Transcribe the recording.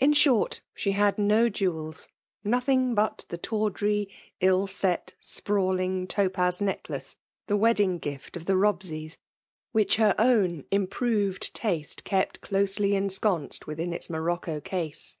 In short, she had no jewels, — nothing but the tK^irj, ill*set, sprawling topaz neck lace, the wedding gift of the Bobseys, which her own improved taste kept closely ensconced withia its. morocco case.